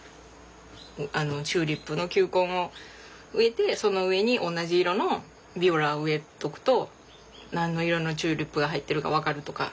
チューリップの球根を植えてその上に同じ色のビオラを植えとくと何の色のチューリップが入ってるか分かるとか。